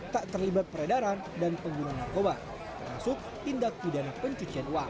tak terlibat peredaran dan pengguna narkoba termasuk tindak pidana pencucian uang